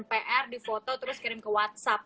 pr di foto terus kirim ke whatsapp